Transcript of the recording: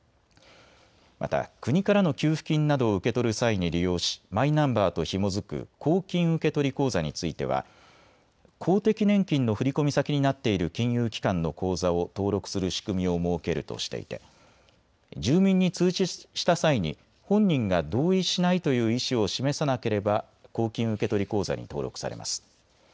また国からの給付金などを受け取る際に利用しマイナンバーとひも付く公金受取口座については公的年金の振込先になっている金融機関の口座を登録する仕組みを設けるとしていて住民に通知した際に本人が同意しないという意思を示さなければ公金受取口座に登録されます。